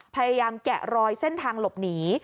พยายามแกะรอยเส้นทางหลบหนี